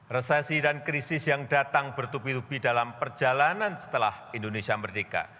resesi dan krisis yang datang bertubi tubi dalam perjalanan setelah indonesia merdeka